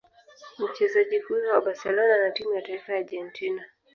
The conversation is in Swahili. Mchezaji huyo wa Barcelona na timu ya taifa ya Argentina